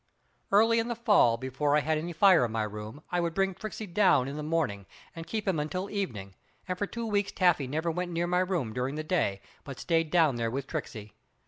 Early in the fall before I had any fire in my room I would bring Tricksey down in the morning and keep him until evening, and for two weeks Taffy never went near my room during the day, but stayed down there with Tricksey.